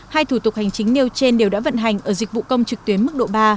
hai thủ tục hành chính nêu trên đều đã vận hành ở dịch vụ công trực tuyến mức độ ba